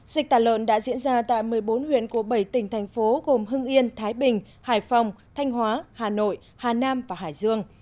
dịch tả lợn đã diễn ra tại một mươi bốn huyện của bảy tỉnh thành phố gồm hưng yên thái bình hải phòng thanh hóa hà nội hà nam và hải dương